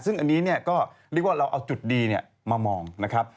ซึ่งอันนี้เนี่ยก็เรียกว่าเราเอาจุดดีมามองนะครับ